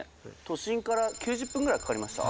都心から９０分ぐらいかかりました？